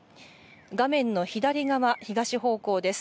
画面の左側、東方向です。